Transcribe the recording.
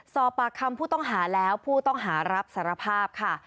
สอบปากคำผู้ต้องหาแล้วผู้ต้องหารับสารภาพค่ะ